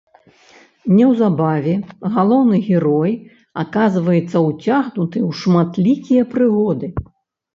Неўзабаве галоўны герой аказваецца ўцягнуты ў шматлікія прыгоды.